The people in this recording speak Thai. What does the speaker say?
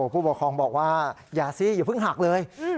ผู้ปกครองบอกว่าอย่าสิอย่าเพิ่งหักเลย